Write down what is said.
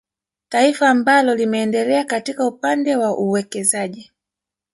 Taifa amabalo limeendelea katika upande wa uwekezaji